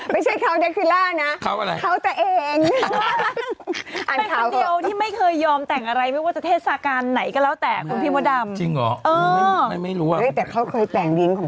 มาวันนี้มีข่าวอะไรมาเล่าให้คุณผู้ชมฟังบ้าง